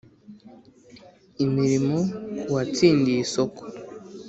imirimo k uwatsindiye isoko